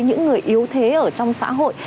những người yếu thế ở trong xã hội